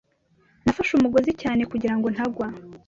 Nafashe umugozi cyane kugirango ntagwa.